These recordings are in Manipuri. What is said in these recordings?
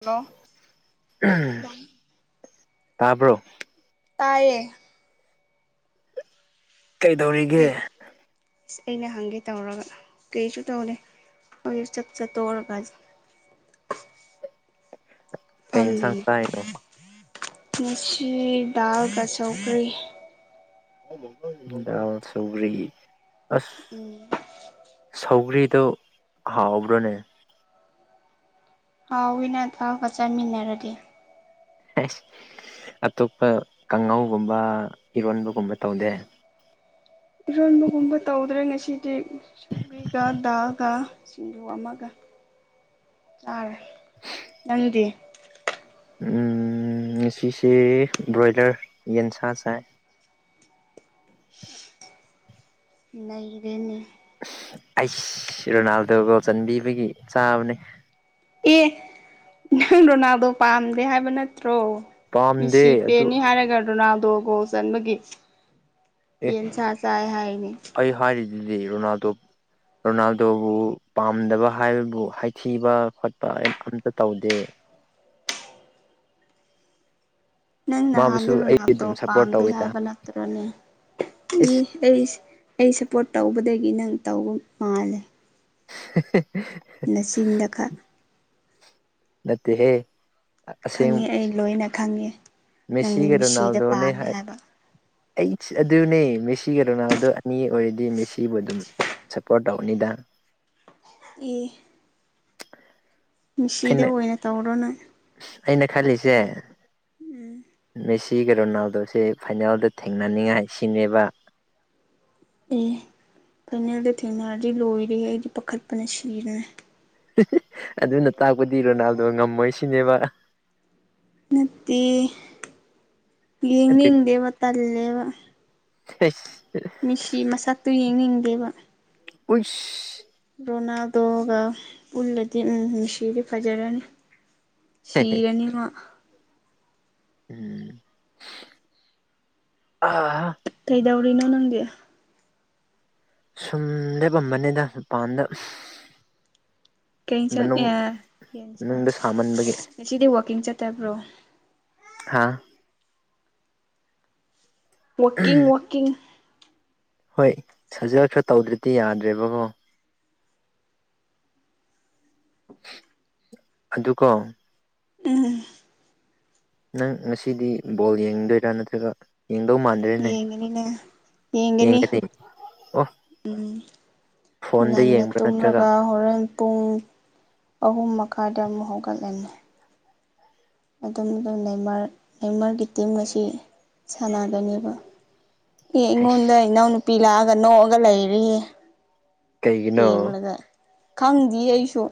ꯍꯜꯂꯣ ꯇꯥꯕ꯭ꯔꯣ ꯇꯥꯏꯌꯦ ꯀꯩꯗꯧꯔꯤꯒꯦ ꯑꯩ ꯑꯁ ꯑꯩꯅ ꯍꯪꯒꯦ ꯇꯧꯔꯒ ꯀꯩꯁꯨ ꯇꯧꯗꯦ ꯆꯥꯛ ꯆꯥ ꯇꯣꯛꯔꯒ ꯀꯩ ꯌꯦꯟꯁꯥꯡ ꯐꯥꯝꯂꯤꯅꯦ ꯆꯥꯏꯅꯣ ꯉꯁꯤ ꯗꯥꯜꯒꯥ ꯁꯧꯒꯔꯤ ꯗꯥꯜ ꯁꯧꯒꯔꯤ ꯑꯁ ꯎꯝ ꯁꯧꯒ꯭ꯔꯤꯗꯣ ꯍꯥꯎꯕ꯭ꯔꯣꯅꯦ ꯍꯥꯎꯋꯤꯅꯥ ꯊꯥꯎꯒꯥ ꯆꯥꯃꯤꯟꯅꯔꯗꯤ ꯑꯇꯣꯞꯄꯥ ꯀꯥꯡꯉꯧꯒꯨꯝꯕ ꯏꯔꯣꯟꯕꯒꯨꯝꯕ ꯇꯧꯗꯦ ꯏꯔꯣꯟꯕꯒꯨꯝꯕ ꯇꯧꯗ꯭ꯔꯦ ꯉꯁꯤꯗꯤ ꯁꯧꯒ꯭ꯔꯤꯒꯥ ꯗꯥꯜꯒꯥ ꯁꯤꯡꯖꯨ ꯑꯃꯒꯥ ꯆꯥꯔꯦ ꯅꯪꯗꯤ ꯉꯁꯤꯁꯦ ꯕ꯭ꯔꯣꯏꯂꯔ ꯌꯦꯟꯁꯥ ꯆꯥꯏ ꯅꯩꯔꯦꯅꯦ ꯑꯩꯁ ꯔꯣꯅꯥꯜꯗꯣ ꯒꯣꯜ ꯆꯟꯕꯤꯕꯒꯤ ꯆꯥꯕꯅꯦ ꯑꯦ ꯅꯪ ꯔꯣꯅꯥꯜꯗꯣ ꯄꯥꯝꯗꯦ ꯍꯥꯏꯕ ꯅꯠꯇ꯭ꯔꯣ ꯄꯥꯝꯗꯦ ꯃꯦꯁꯤ ꯑꯗꯨ ꯐꯦꯟꯅꯤ ꯍꯥꯏꯔꯒ ꯔꯣꯅꯥꯜꯗꯣ ꯒꯣꯜ ꯆꯟꯕꯒꯤ ꯑꯦ ꯌꯦꯟ ꯁꯥ ꯆꯥꯏ ꯍꯥꯏꯅꯦ ꯑꯩ ꯍꯥꯏꯔꯤꯗꯨꯗꯤ ꯔꯣꯅꯥꯜꯗꯣꯞ ꯔꯣꯅꯥꯜꯗꯣꯕꯨ ꯄꯥꯝꯗꯕ ꯍꯥꯏꯕꯕꯨ ꯍꯥꯏꯊꯤꯕ ꯈꯣꯠꯄ ꯑꯝꯇ ꯇꯧꯗꯦ ꯅꯪ ꯃꯥꯕꯨꯁꯨ ꯅꯍꯥꯟꯗꯣ ꯑꯩ ꯔꯣꯅꯥꯜꯗꯣ ꯑꯗꯨꯝ ꯁꯞꯄꯣꯔꯠ ꯄꯥꯝꯗꯦ ꯇꯧꯋꯤꯗ ꯍꯥꯏꯕ ꯅꯠꯇ꯭ꯔꯅꯦ ꯏꯁ ꯑꯩꯁ ꯑꯩ ꯁꯞꯄꯣꯔꯠ ꯇꯧꯕꯗꯒꯤ ꯅꯪ ꯇꯧꯕ ꯃꯥꯜꯂꯦ ꯅꯆꯤꯟꯗ ꯈꯛ ꯅꯠꯇꯦ ꯍꯦ ꯈꯪꯉꯦ ꯑꯩ ꯂꯣꯏꯅ ꯈꯪꯉꯦ ꯅꯪꯗꯤ ꯃꯦꯁꯤꯒ ꯃꯤꯁꯤꯗ ꯔꯣꯅꯥꯜꯗꯣꯅꯦ ꯄꯥꯝꯃꯦ ꯍꯥꯏ ꯍꯥꯏꯕ ꯑꯩꯠꯁ ꯑꯗꯨꯅꯦ ꯃꯦꯁꯤꯒ ꯔꯣꯅꯥꯜꯗꯣ ꯑꯅꯤ ꯑꯣꯏꯔꯗꯤ ꯃꯦꯁꯤꯕꯨ ꯑꯗꯨꯝ ꯁꯄꯣꯔꯠ ꯇꯧꯒꯅꯤꯗ ꯑꯤ ꯑꯩꯅ ꯑꯣꯏꯅ ꯇꯧꯔꯣ ꯅꯪ ꯑꯩꯅ ꯈꯜꯂꯤꯖꯦ ꯃꯦꯁꯤꯒꯤ ꯔꯣꯅꯥꯜꯗꯣꯁꯦ ꯐꯥꯏꯅꯦꯜꯗ ꯊꯦꯡꯅꯅꯤꯡꯉꯥꯏ ꯁꯤꯅꯦꯕ ꯑꯦ ꯐꯥꯏꯅꯦꯜꯗ ꯊꯦꯡꯅꯔꯗꯤ ꯂꯣꯏꯔꯦ ꯑꯩꯗꯤ ꯄꯥꯈꯠꯄꯅ ꯁꯤꯔꯅꯤ ꯑꯗꯨꯅ ꯇꯥꯛꯄꯗꯤ ꯔꯣꯅꯥꯜꯗꯣ ꯉꯝꯃꯣꯏ ꯁꯤꯅꯦꯕ ꯅꯠꯇꯦ ꯑꯗꯨ ꯌꯦꯡꯅꯤꯡꯗꯦꯕ ꯇꯜꯂꯦꯕ [unintelligible] ꯃꯤꯁꯤ ꯃꯁꯛꯇꯨ ꯌꯦꯡꯅꯤꯡꯗꯦꯕ ꯑꯨꯏꯁ ꯔꯣꯅꯥꯜꯗꯣꯒ ꯄꯨꯜꯂꯗꯤ ꯎꯝ ꯃꯤꯁꯤꯗꯤ ꯐꯖꯔꯅꯤ ꯁꯤꯔꯅꯤꯃꯥ [unintelligible] ꯀꯩꯗꯧꯔꯤꯅꯣ ꯅꯪꯗꯤ ꯁꯨꯝ ꯂꯦꯞꯄꯝꯕꯅꯤꯗ ꯃꯄꯥꯟꯗ ꯀꯩꯑꯦꯟꯁꯥꯡ ꯃꯅꯨꯡ ꯑꯦ ꯌꯦꯟꯁ ꯃꯅꯨꯡꯗ ꯁꯥꯃꯟꯕꯒꯤ ꯉꯁꯤꯗꯤ ꯋꯥꯛꯀꯤꯡ ꯆꯠꯇꯕ꯭ꯔꯣ ꯍꯥꯥ ꯋꯥꯀꯤꯡ ꯋꯥꯀꯤꯡ ꯍꯣꯏ ꯁꯥꯖꯦꯜ ꯈꯔ ꯇꯧꯗ꯭ꯔꯗꯤ ꯌꯥꯗ꯭ꯔꯦꯕꯀꯣ ꯑꯗꯨꯀꯣ ꯎꯝ ꯅꯪ ꯉꯁꯤꯗꯤ ꯕꯣꯜ ꯌꯦꯡꯗꯣꯏꯔꯥ ꯅꯠꯇ꯭ꯔꯒ ꯌꯦꯡꯗꯧ ꯃꯥꯟꯗ꯭ꯔꯦꯅꯦ ꯌꯦꯡꯒꯅꯤꯅꯦ ꯌꯦꯡ ꯌꯦꯡꯒꯅꯤ [unintelligible] ꯑꯣ ꯎꯝ ꯐꯣꯟꯗ ꯉꯟꯅ ꯌꯦꯡꯕ꯭ꯔꯥ ꯅꯠꯇ꯭ꯔꯒ ꯇꯨꯝꯂꯒ ꯍꯣꯔꯦꯟ ꯄꯨꯡ ꯑꯍꯨꯝ ꯃꯈꯥꯏꯗ ꯑꯃꯨꯛ ꯍꯧꯒꯠꯂꯅꯤ ꯑꯗꯨꯝ ꯑꯗꯨꯝ ꯅꯦꯃꯥꯔ ꯅꯦꯃꯥꯔꯒꯤ ꯇꯤꯝ ꯉꯁꯤ ꯁꯥꯟꯅꯒꯅꯦꯕ ꯑꯦ ꯑꯩꯁ ꯑꯩꯉꯣꯟꯗ ꯏꯅꯥꯎꯅꯨꯄꯤ ꯂꯥꯛꯑꯒ ꯅꯣꯛꯑꯒ ꯂꯩꯔꯤꯌꯦ ꯀꯩꯒꯤꯅꯣ ꯌꯦꯡꯂꯒ ꯈꯪꯗꯤꯌꯦ ꯑꯩꯁꯨ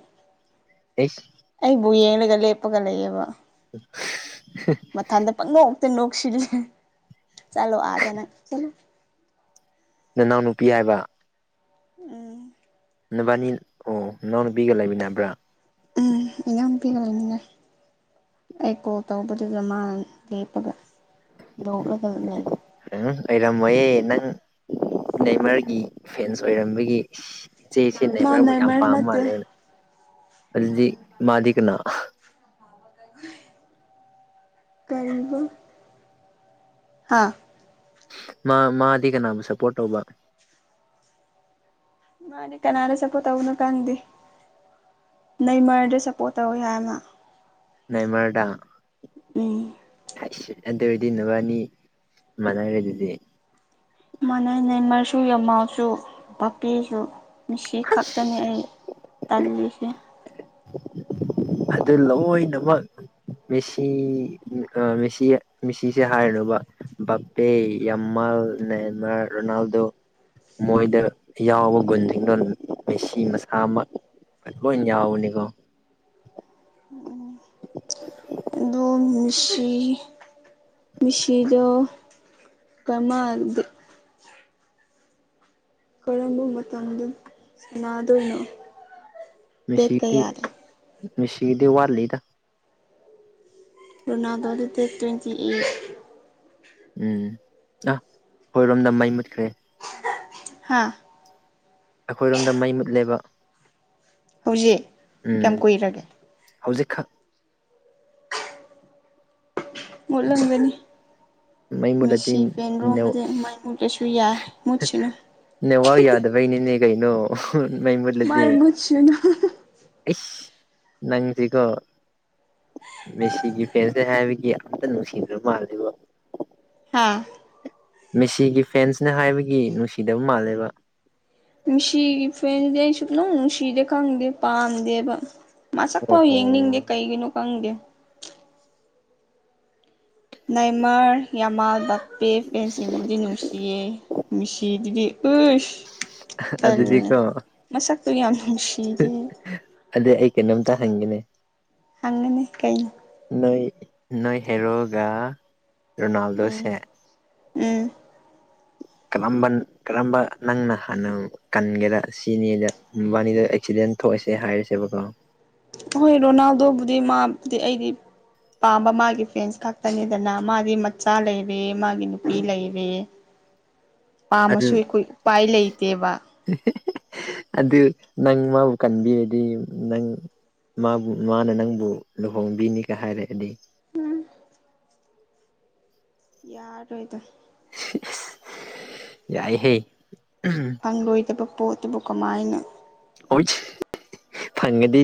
ꯑꯩꯁ ꯑꯩꯕꯨ ꯌꯦꯡꯂꯒ ꯂꯦꯞꯄꯒ ꯂꯩꯌꯦꯕ [unintelligible] ꯃꯊꯟꯗ ꯄꯪꯅꯣꯛꯛꯇ ꯅꯣꯛꯁꯤꯜꯂꯦ ꯆꯜꯂꯣ ꯑꯥꯗꯅꯪ ꯆꯠꯂꯨ ꯅꯅꯥꯎ ꯅꯨꯄꯤ ꯍꯥꯏꯕ ꯎꯝ ꯅꯕꯥꯏꯅꯤ ꯑꯣ ꯅꯅꯥꯎ ꯅꯨꯄꯤꯒ ꯂꯩꯃꯤꯟꯅꯕ꯭ꯔꯥ ꯎꯝ ꯏꯅꯥꯎꯄꯤꯒ ꯂꯩꯃꯤꯟꯅꯩ ꯑꯩ ꯀꯣꯜ ꯇꯧꯕꯗꯨꯗ ꯃꯥꯅ ꯂꯦꯞꯄꯒ ꯅꯣꯛꯂꯒ ꯂꯩꯕ ꯎꯝ ꯑꯣꯏꯔꯝꯃꯣꯌꯦ ꯅꯪ ꯅꯦꯃꯥꯔꯒꯤ ꯐꯦꯟꯁ ꯑꯣꯏꯔꯝꯕꯒꯤ ꯏꯆꯦꯁꯤ ꯃꯥ ꯅꯦꯃꯥꯔꯕꯨ ꯌꯥꯝ ꯅꯦꯃꯔ ꯄꯥꯝ ꯅꯠꯇꯦ ꯃꯥꯜꯂꯦꯅ ꯑꯗꯨꯗꯤ ꯃꯥꯗꯤ ꯀꯅꯥ [inaudible] ꯀꯔꯤꯕ ꯑꯥ ꯃꯥ ꯃꯥꯗꯤ ꯀꯅꯥꯕꯨ ꯁꯄꯣꯔꯠ ꯇꯧꯕ ꯃꯥꯅꯦ ꯀꯅꯥꯗ ꯁꯞꯄꯣꯔꯠ ꯇꯧꯅꯣ ꯀꯪꯗꯦ ꯅꯩ ꯃꯔꯗꯤ ꯁꯞꯄꯣꯔꯠ ꯇꯧ ꯍꯥꯏꯃ ꯅꯩꯃꯔꯗ ꯎꯝ ꯁ ꯑꯗꯨ ꯑꯣꯏꯔꯗꯤ ꯅꯨꯕꯥꯅꯤ ꯃꯥꯟꯅꯔꯦꯗꯨꯗꯤ ꯃꯅꯦ ꯅꯦꯃꯔꯁꯨ ꯌꯥꯝꯃꯜꯁꯨ ꯄꯥꯄꯤꯁꯨ ꯃꯤꯁꯤ ꯍꯩꯁ ꯈꯛꯇꯅꯤ ꯑꯩ ꯇꯜꯂꯤꯁꯦ ꯑꯗꯨ ꯂꯣꯏꯅꯃꯛ ꯃꯦꯁꯤ ꯒꯥ ꯃꯦꯁꯤ ꯃꯦꯁꯤꯁꯦ ꯍꯥꯏ [unintelligible] ꯕꯥꯞꯄꯦ ꯌꯥꯝꯃꯜ ꯅꯦꯃ ꯔꯣꯅꯥꯜꯗꯣ ꯃꯣꯏꯗ ꯌꯥꯎꯕ ꯒꯨꯟꯁꯤꯡꯗꯣꯟ ꯃꯦꯁꯤ ꯃꯁꯥ ꯑꯃ [unintelligible] ꯌꯥꯎꯕꯅꯦꯒꯣ ꯃꯤꯁꯤ ꯃꯤꯁꯤꯗꯣ ꯀꯔꯃ ꯀꯔꯝꯕ ꯃꯇꯝꯗ ꯁꯥꯟꯅꯗꯣꯏꯅꯣ ꯗꯦꯠ ꯃꯦꯁꯤꯗꯤ ꯀꯌꯥꯗ ꯃꯤꯁꯤꯗꯤ ꯋꯥꯠꯂꯤꯗ ꯔꯣꯅꯥꯜꯗꯣꯗꯤ ꯗꯦꯠ ꯇ꯭ꯋꯦꯟꯇꯤ ꯑꯩꯠ ꯎꯝ ꯑ ꯍꯣꯏꯔꯣꯝꯗ ꯃꯩ ꯃꯨꯠꯈ꯭ꯔꯦ ꯍꯥꯥ ꯑꯩꯈꯣꯏꯔꯣꯝꯗ ꯃꯩ ꯃꯨꯠꯂꯦꯕ ꯍꯧꯖꯤꯛ ꯀꯌꯥꯝ ꯎꯝ ꯀꯨꯏꯔꯒꯦ ꯍꯧꯖꯤꯛꯈꯛ ꯃꯠꯂꯝꯒꯅꯤ ꯃꯩ ꯃꯨꯠꯂꯗꯤ ꯃꯤꯁꯤ ꯄꯦꯟꯔꯣ ꯑꯩꯃꯥꯏ ꯃꯨ ꯀꯩꯁꯨ ꯌꯥꯏ ꯃꯨꯁꯤꯅꯨ ꯅꯦ ꯋꯥ ꯌꯥꯗꯕꯩꯅꯤꯅꯦ ꯀꯩꯅꯣ ꯃꯩ ꯃꯥꯏ ꯃꯨꯠꯂꯗꯤ ꯃꯨꯠꯁꯅꯨ ꯏꯁ ꯅꯪꯗꯤꯀꯣ ꯃꯦꯁꯤꯒꯤ ꯐꯦꯟꯁꯦ ꯍꯥꯏꯕꯒꯤ ꯑꯝꯇ ꯅꯨꯡꯁꯤꯗ꯭ꯔ ꯃꯥꯜꯂꯤꯕꯣ ꯍꯥꯥ ꯃꯦꯁꯤꯒꯤ ꯐꯦꯟꯁꯅ ꯍꯥꯏꯕꯒꯤ ꯅꯨꯡꯁꯤꯗꯕ ꯃꯥꯜꯂꯦꯕ ꯃꯤꯁꯤꯒꯤ ꯐ꯭ꯔꯦꯟꯗꯤ ꯑꯩ ꯁꯨꯞꯅꯧ ꯅꯨꯡꯁꯤꯗꯦ ꯈꯪꯗꯦ ꯄꯥꯝꯗꯦꯕ ꯃꯁꯛꯐꯥꯎ ꯑꯣꯍꯣ ꯌꯦꯡꯅꯤꯡꯗꯦ ꯀꯩꯒꯤꯅꯣ ꯈꯪꯗꯦ ꯅꯥꯏꯃꯔ ꯌꯥꯝꯃꯥꯜꯗꯄꯦ ꯄꯦꯟꯁꯤꯡꯕꯨꯗꯤ ꯅꯨꯡꯁꯤꯌꯦ ꯃꯤꯁꯤꯗꯨꯗꯤ [unintelligible] ꯇꯜꯂꯦ ꯑꯗꯨꯗꯤꯀꯣ ꯃꯁꯛꯇꯨ ꯌꯥꯝ ꯅꯨꯡꯁꯤꯗꯦ ꯑꯗꯨ ꯑꯩ ꯀꯩꯅꯣꯝꯇ ꯍꯪꯒꯦꯅꯦ ꯍꯪꯉꯨꯅꯦ ꯀꯩ ꯅꯣꯏ ꯅꯣꯏ ꯍꯦꯔꯣꯒꯥ ꯎꯝ ꯎꯝ ꯀꯔꯝꯕ ꯀꯔꯝꯕ ꯅꯪꯅ ꯍꯥꯟꯅ ꯀꯟꯒꯦꯔꯥ ꯁꯤꯅꯤꯗ ꯎꯕꯥꯅꯤꯗ ꯑꯦꯛꯁꯤꯗꯦꯟ ꯊꯣꯛꯑꯁꯦ ꯍꯥꯏꯔꯁꯦꯕꯀꯣ ꯍꯣꯏ ꯔꯣꯅꯥꯜꯗꯣꯕꯨꯗꯤ ꯃꯥꯕꯨꯗꯤ ꯑꯩꯒꯤ ꯄꯥꯝꯕ ꯃꯥꯒꯤ ꯐꯦꯟꯁ ꯈꯥꯛꯇꯅꯤꯗꯅ ꯃꯥꯗꯤ ꯃꯆꯥ ꯂꯩꯔꯦ ꯃꯥꯒꯤ ꯅꯨꯄꯤ ꯂꯩꯔꯦ ꯑꯗꯨ ꯄꯥꯝꯃꯁꯨ ꯑꯩꯈꯨꯏ ꯎꯄꯥꯏ ꯂꯩꯇꯦꯕ ꯑꯗꯨ ꯅꯪ ꯃꯥꯕꯨ ꯀꯟꯕꯤꯔꯗꯤ ꯅꯪ ꯃꯥꯕꯨ ꯃꯥꯅ ꯅꯪꯕꯨ ꯂꯨꯍꯣꯡꯕꯤꯅꯤꯀ ꯍꯥꯏꯔꯛꯑꯗꯤ ꯌꯥꯔꯣꯏꯗ ꯌꯥꯏꯍꯦ ꯎꯝ ꯐꯪꯂꯣꯏꯗꯕ ꯄꯣꯠꯇꯨꯕꯨ ꯀꯃꯥꯏꯅ ꯑꯣꯠꯁ ꯐꯪꯉꯗꯤ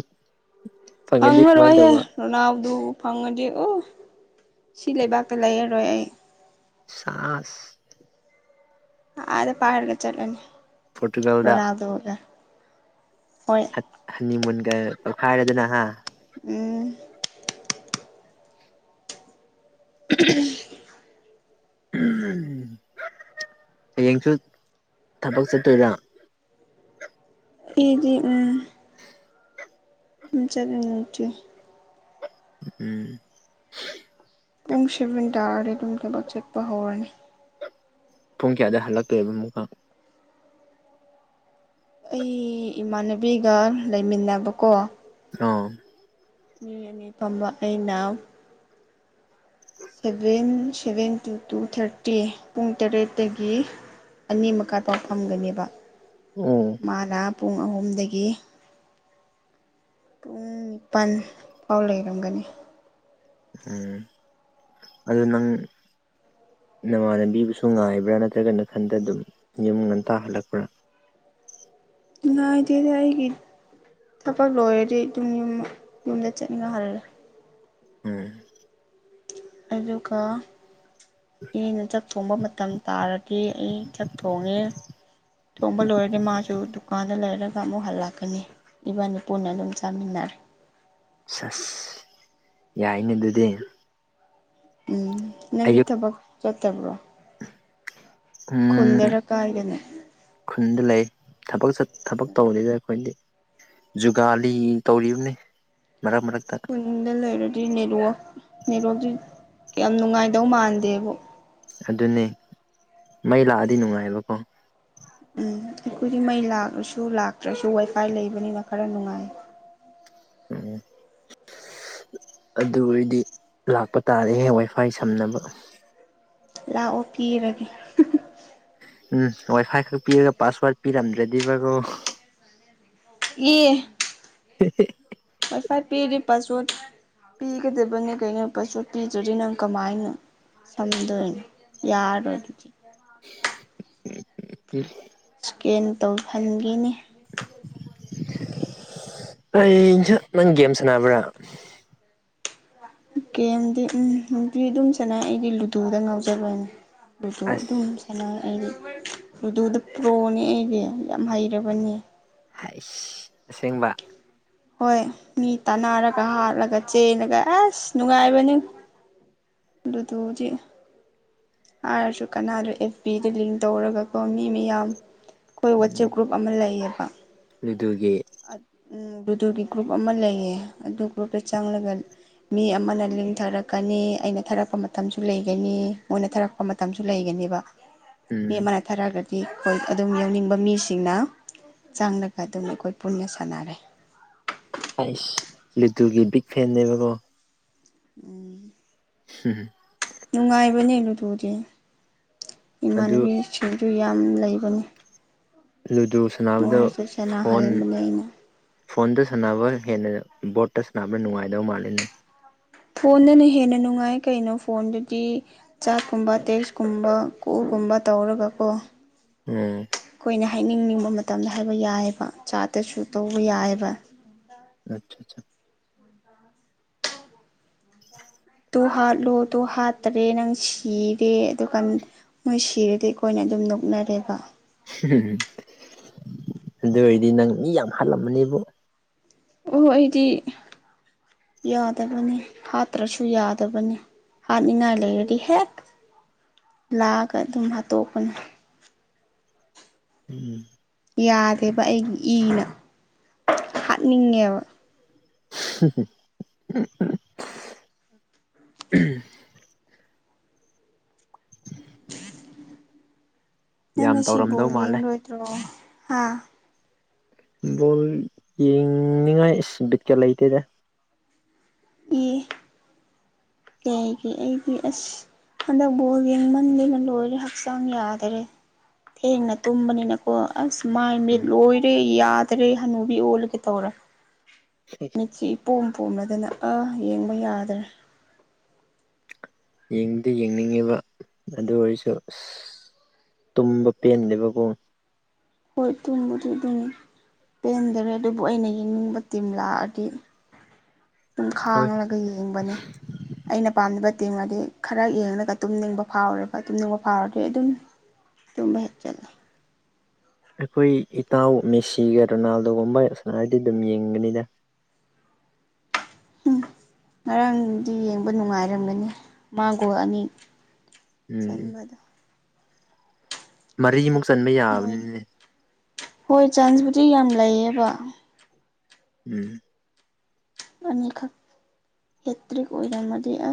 ꯐꯪꯉꯗꯤ ꯀꯃꯥꯏꯅ ꯐꯪꯉꯔꯣꯏꯍꯦ ꯇꯧꯕ ꯔꯣꯅꯥꯜꯗꯨ ꯐꯪꯉꯗꯤ ꯎ ꯁꯤ ꯂꯩꯕꯥꯛꯇ ꯂꯩꯔꯔꯣꯏ ꯑꯩ ꯁꯥꯁ ꯑꯥꯗ ꯄꯥꯏꯔꯒ ꯆꯠꯂꯅꯤ ꯄꯣꯔꯇꯨꯒꯜꯗ ꯔꯣꯅꯥꯜꯗꯣꯒ ꯍꯣꯏ ꯍꯅꯤ ꯃꯨꯟꯒ ꯇꯧꯈꯥꯏꯔꯗꯅ ꯍꯥ ꯎꯝ [unintelligible] ꯍꯌꯦꯡꯁꯨ ꯊꯕꯛ ꯆꯠꯇꯣꯏꯔꯥ ꯑꯩꯗꯤ ꯎꯝ ꯎꯝ ꯆꯠꯅꯤꯡꯇ꯭ꯔꯦ ꯎꯝ ꯄꯨꯡ ꯁꯦꯕꯦꯟ ꯇꯥꯔꯗꯤ ꯑꯗꯨꯝ ꯊꯥꯕꯛ ꯆꯠꯄ ꯍꯧꯔꯅꯤ ꯄꯨꯡ ꯀꯌꯥꯗ ꯍꯜꯂꯛꯇꯣꯏꯕ ꯑꯃꯨꯛꯀ ꯑꯩ ꯏꯃꯥꯟꯅꯕꯤꯒ ꯂꯩꯃꯤꯟꯅꯕꯀꯣ [unintelligible] ꯃꯤ ꯑꯅꯤꯐꯝꯕ ꯑꯩꯅ seven seven two two thirty ꯄꯨꯡ ꯇꯔꯦꯠꯇꯒꯤ ꯑꯅꯤ ꯃꯈꯥꯠ ꯄꯥꯎ ꯐꯝꯒꯅꯦꯕ ꯎꯝ ꯃꯥꯅ ꯄꯨꯡ ꯑꯍꯨꯝꯗꯒꯤ ꯄꯨꯡ ꯅꯤꯄꯟ ꯐꯥꯎ ꯂꯩꯔꯝꯒꯅꯤ ꯎꯝ ꯑꯗꯨ ꯅꯪ ꯅꯃꯥꯟꯅꯕꯤꯕꯨꯁꯨ ꯉꯥꯏꯕ꯭ꯔꯥ ꯅꯠꯇ꯭ꯔꯒ ꯅꯊꯟꯗ ꯑꯗꯨꯝ ꯌꯨꯝ ꯉꯟꯇꯥ ꯍꯜꯂꯛꯄ꯭ꯔꯥ ꯉꯥꯏꯗꯦꯗꯥ ꯑꯩꯒꯤ ꯊꯕꯛ ꯂꯣꯏꯔꯗꯤ ꯑꯗꯨꯝ ꯌꯨꯝ ꯌꯨꯝꯗ ꯆꯠꯅꯤꯡꯉꯥꯏ ꯍꯜꯂꯦ ꯎꯝ ꯑꯗꯨꯒ ꯏꯅ ꯆꯥꯛ ꯊꯣꯡꯕ ꯃꯇꯝ ꯇꯥꯔꯗꯤ ꯑꯩ ꯆꯥꯛ ꯊꯣꯡꯉꯦ ꯊꯣꯡꯕ ꯂꯣꯏꯔꯗꯤ ꯃꯥꯁꯨ ꯗꯨꯀꯥꯟꯗ ꯂꯩꯔꯒ ꯑꯃꯨꯛ ꯍꯜꯂꯛꯀꯅꯤ ꯏꯕꯥꯅꯤ ꯄꯨꯟꯅ ꯑꯗꯨꯝ ꯆꯥꯃꯤꯟꯅꯔꯦ ꯁꯦꯁ ꯌꯥꯏꯅꯦ ꯑꯗꯨꯗꯤ ꯎꯝ ꯅꯪꯗꯤ ꯑꯌꯨꯛ ꯊꯕꯛ ꯆꯠꯇꯕ꯭ꯔꯣ ꯈꯨꯟꯗꯔ ꯀꯥꯏꯗꯅꯣ ꯈꯨꯟꯗ ꯂꯩ ꯊꯕꯛ ꯆꯠ ꯊꯕꯛ ꯇꯧꯗꯦꯗ ꯑꯩꯈꯣꯏꯗꯤ ꯖꯨꯒꯥꯂꯤ ꯇꯧꯔꯤꯕꯅꯤ ꯃꯔꯛ ꯃꯔꯛꯇ ꯈꯨꯟꯗ ꯂꯩꯔꯗꯤ ꯅꯦꯠꯋꯥꯛ ꯅꯦꯠꯋꯥꯛꯖꯤ ꯌꯥꯝ ꯅꯨꯡꯉꯥꯏꯗꯧ ꯃꯥꯟꯗꯦꯕꯨ ꯑꯗꯨꯅꯦ ꯃꯩ ꯂꯥꯛꯑꯗꯤ ꯅꯨꯡꯉꯥꯏꯕꯀꯣ ꯎꯝ ꯑꯩꯈꯣꯏꯗꯤ ꯃꯩ ꯂꯥꯛꯔꯁꯨ ꯂꯥꯛꯇ꯭ꯔꯁꯨ ꯋꯥꯏꯐꯥꯏ ꯂꯩꯕꯅꯤꯅ ꯈꯔ ꯅꯨꯡꯉꯥꯏ [inaudible] ꯑꯗꯨ ꯑꯣꯏꯔꯗꯤ ꯂꯥꯛꯄ ꯇꯥꯔꯦꯌꯦ ꯋꯥꯏꯐꯥꯏ ꯁꯝꯅꯕ ꯂꯥꯛꯑꯣ ꯄꯤꯔꯒꯦ ꯎꯝ ꯋꯥꯏꯐꯥꯏ ꯈꯛ ꯄꯤꯔꯒ ꯄꯥꯁꯋꯥꯔ ꯄꯤꯔꯝꯗ꯭ꯔꯗꯤꯕꯀꯣ ꯑꯦ [unintelligible] ꯋꯥꯏ ꯐꯥꯏ ꯄꯤꯔꯗꯤ ꯄꯁ ꯋꯥꯠ ꯄꯤꯒꯗꯕꯅꯦ ꯀꯩꯅꯣ ꯄꯥꯁ ꯋꯥꯠ ꯄꯤꯗ꯭ꯔꯗꯤ ꯅꯪ ꯀꯃꯥꯏꯅ ꯁꯝꯗꯣꯏ ꯌꯥꯔꯣꯏ ꯑꯗꯨꯗꯤ [unintelligible] ꯏꯁꯀꯦꯟ ꯇꯧꯍꯟꯕꯤꯅꯤ ꯑꯩꯖ ꯅꯪ ꯒꯦꯝ ꯁꯥꯟꯅꯕ꯭ꯔꯥ ꯒꯦꯝꯗꯤ ꯎꯝ ꯅꯨꯡꯇꯤ ꯑꯗꯨꯝ ꯆꯅꯩ ꯑꯩꯒꯤ ꯂꯨꯗꯨꯗ ꯉꯥꯎꯖꯕꯅꯦ ꯂꯨꯗꯣ ꯑꯁ ꯑꯗꯨꯝ ꯁꯅꯥ ꯑꯩ ꯂꯨꯗꯨꯗ ꯄ꯭ꯔꯣꯅꯦ ꯑꯩꯗꯤ ꯌꯥꯝ ꯍꯩꯔꯕꯅꯦ ꯍꯩꯏ ꯑꯁꯦꯡꯕ ꯍꯣꯏ ꯃꯤ ꯇꯥꯅꯔꯒ ꯍꯥꯠꯂꯒ ꯆꯦꯜꯂꯒ ꯑꯁ ꯅꯨꯡꯉꯥꯏꯕꯅꯤ ꯂꯨꯗꯨꯗꯤ ꯍꯥꯏꯔꯁꯨ ꯀꯅꯥꯔꯦ ꯑꯦꯐ ꯄꯤꯗ ꯂꯤꯡ ꯇꯧꯔꯒꯀꯣ ꯃꯤ ꯃꯌꯥꯝ ꯈꯣꯏ ꯎꯝ ꯋꯥꯆꯞ ꯒ꯭ꯔꯨꯞ ꯑꯃ ꯂꯩꯌꯦꯕ ꯂꯨꯗꯨꯒꯤ ꯎꯝ ꯂꯨꯗꯨꯒꯤ ꯒ꯭ꯔꯨꯞ ꯑꯃ ꯂꯩꯌꯦ ꯑꯗꯨ ꯒ꯭ꯔꯨꯞꯇ ꯆꯪꯂꯒ ꯃꯤ ꯑꯃꯅ ꯂꯤꯡ ꯊꯔꯛꯀꯅꯤ ꯑꯩꯅ ꯊꯥꯔꯛꯄ ꯃꯇꯝꯁꯨ ꯂꯩꯒꯅꯤ ꯃꯣꯏꯅ ꯊꯥꯔꯛꯄ ꯃꯇꯝꯁꯨ ꯂꯩꯒꯅꯤꯕ [unintelligible] ꯃꯤ ꯎꯝ ꯑꯃꯅ ꯊꯥꯔꯛꯑꯒꯗꯤ ꯑꯩꯈꯣꯏ ꯑꯗꯨꯝ ꯌꯥꯎꯅꯤꯡꯕ ꯃꯤꯁꯤꯡꯅ ꯆꯪꯂꯒ ꯑꯗꯨꯝ ꯑꯩꯈꯣꯏ ꯄꯨꯟꯅ ꯁꯟꯅꯥꯔꯦ ꯍꯥꯏꯁ ꯂꯨꯗꯨꯒꯤ ꯕꯤꯛ ꯐꯦꯟꯅꯦꯕꯀꯣ ꯎꯝ ꯍꯨꯝꯍꯨꯝ ꯅꯨꯡꯉꯥꯏꯕꯅꯦ ꯂꯨꯗꯨꯗꯤ ꯑꯗꯨ ꯏꯃꯥꯟꯅꯕꯤꯁꯤꯡꯁꯨ ꯌꯥꯝ ꯂꯩꯕꯅꯦ ꯂꯨꯗꯨ ꯁꯥꯟꯅꯕꯗꯣ ꯐꯣꯟ ꯁꯥꯟꯅꯍꯟꯕꯅꯦ ꯑꯩꯅ ꯐꯣꯟꯗ ꯁꯥꯟꯅꯕꯅ ꯍꯦꯟꯅ ꯕꯣꯔꯇ ꯁꯥꯟꯅꯕꯅ ꯅꯨꯡꯉꯥꯏꯗꯕ ꯃꯥꯜꯂꯦꯅꯦ ꯐꯣꯟꯗꯅ ꯍꯦꯟꯅ ꯅꯨꯡꯉꯥꯏ ꯀꯩꯅꯣ ꯐꯣꯟꯗꯗꯤ ꯆꯥꯛꯀꯨꯝꯕ ꯇꯦꯛꯁꯀꯨꯝꯕ ꯀꯣꯜꯒꯨꯝꯕ ꯇꯧꯔꯒꯀꯣ ꯑꯣ ꯈꯣꯏꯅ ꯍꯥꯏꯅꯤꯡꯅꯤꯡꯕ ꯃꯇꯝꯗ ꯍꯥꯏꯕ ꯌꯥꯏꯌꯦꯕ ꯆꯥꯠꯇꯁꯨ ꯇꯧꯕ ꯌꯥꯏꯌꯦꯕ ꯑꯆꯥ ꯆꯥ [inaudible] ꯇꯣ ꯍꯥꯠꯂꯣ ꯇꯣ ꯍꯥꯠꯇꯔꯦ ꯅꯪ ꯁꯤꯔꯦ ꯑꯗꯨꯒ ꯃꯣꯏ ꯁꯤꯔꯗꯤ ꯑꯩꯈꯣꯏꯅ ꯑꯗꯨꯝ ꯅꯣꯛꯅꯔꯦꯕ ꯑꯗꯨ ꯑꯣꯏꯔꯗꯤ ꯅꯪ ꯃꯤ ꯌꯥꯝ ꯍꯥꯜꯂꯝꯃꯅꯦꯕꯨ ꯑꯣ ꯑꯩꯗꯤ ꯌꯥꯗꯕꯅꯦ ꯍꯥꯠꯇ꯭ꯔꯁꯨ ꯌꯥꯗꯕꯅꯦ ꯍꯥꯠꯅꯤꯡꯉꯥꯏ ꯂꯩꯔꯗꯤ ꯍꯦꯛ ꯂꯥꯛꯑꯒ ꯑꯗꯨꯝ ꯍꯥꯠꯇꯣꯛꯄ ꯎꯝ ꯌꯥꯗꯦꯕ ꯑꯩꯒꯤ ꯏꯅ ꯍꯥꯠꯅꯤꯡꯉꯦꯕ [unintelligible] [unintelligible] ꯅꯪ ꯌꯥꯝ ꯉꯁꯤ ꯇꯧꯔꯝꯗꯧ ꯕꯣꯜ ꯃꯥꯜꯂꯦ ꯌꯦꯡꯂꯣꯏꯗ꯭ꯔꯣ ꯍꯥ ꯕꯣꯜ ꯌꯦꯡꯅꯤꯉꯥꯏ ꯏꯁ ꯕꯤꯠꯀ ꯂꯩꯇꯦꯗ ꯢ ꯀꯩꯒꯤ ꯑꯩꯗꯤ ꯑꯁ ꯍꯟꯗꯛ ꯕꯣꯜ ꯌꯦꯡꯃꯟꯗꯅ ꯂꯣꯏꯔꯦ ꯍꯛꯆꯥꯡ ꯌꯥꯗꯔꯦ ꯊꯦꯡꯅ ꯇꯨꯝꯕꯅꯤꯅꯀꯣ ꯑꯁ ꯃꯥꯏ ꯃꯤꯠ ꯎꯝ ꯂꯣꯏꯔꯦ ꯌꯥꯗ꯭ꯔꯦ ꯍꯅꯨꯕꯤ ꯑꯣꯜꯂꯒꯦ ꯇꯧꯔꯦ ꯃꯤꯠꯁꯤ ꯏꯄꯣꯝ ꯄꯣꯝꯂꯗꯅ ꯑꯥ ꯌꯦꯡꯕ ꯌꯥꯗ꯭ꯔꯦ ꯌꯦꯛꯗꯤ ꯌꯦꯡꯅꯤꯡꯉꯦꯕ ꯑꯗꯨ ꯑꯣꯏꯔꯁꯨ ꯑꯁ ꯇꯨꯝꯕ ꯄꯦꯟꯗꯦꯕ ꯀꯣ ꯍꯣꯏ ꯇꯨꯝꯕꯗꯤ ꯑꯗꯨꯝ ꯄꯦꯟꯗꯔꯦ ꯑꯗꯨꯕꯨ ꯑꯩꯅ ꯌꯦꯡꯅꯤꯡꯕ ꯇꯤꯝ ꯂꯥꯛꯑꯗꯤ ꯑꯗꯨꯝ ꯍꯣꯏ ꯈꯥꯡꯂꯒ ꯌꯦꯡꯕꯅꯤ ꯑꯩꯅ ꯄꯥꯝꯗꯕ ꯇꯤꯝ ꯑꯗꯨꯗꯤ ꯈꯔ ꯌꯦꯡꯂꯒ ꯇꯨꯝꯅꯤꯡꯕ ꯐꯥꯎꯔꯦꯕ ꯇꯨꯝꯅꯤꯡꯕ ꯐꯥꯎꯔꯗꯤ ꯑꯗꯨꯝ ꯇꯨꯝꯕ ꯍꯦꯛ ꯆꯠꯂꯦ ꯑꯩꯈꯣꯏ ꯏꯇꯥꯎ ꯃꯦꯁꯤꯒ ꯔꯣꯅꯥꯜꯗꯣꯒꯨꯝꯕ ꯁꯅꯥꯌꯗꯤ ꯍꯥꯏꯔꯗꯤ ꯑꯗꯨꯝ ꯌꯦꯡꯒꯅꯤꯗ ꯎꯝ ꯉꯔꯥꯡꯗꯤ ꯌꯦꯡꯕ ꯅꯨꯡꯉꯥꯏꯔꯝꯒꯅꯤ ꯃꯥꯥ ꯒꯣꯜ ꯑꯅꯤ ꯎꯝ ꯆꯟꯕꯗꯣ ꯃꯔꯤꯃꯨꯛ ꯆꯟꯕ ꯃꯣꯏꯒꯤ ꯌꯥꯕꯅꯤꯅꯦ ꯍꯣꯏ ꯆꯥꯟꯁꯕꯨꯗꯤ ꯌꯥꯝ ꯂꯩꯌꯦꯕ ꯎꯝ ꯑꯅꯤ ꯈ ꯍꯇ꯭ꯔꯤꯛ ꯑꯣꯏꯔꯝ ꯃꯗꯤ ꯑ